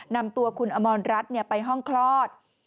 นำตัวคุณอมรรัฐไปห้องคลอด